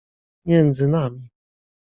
między nami.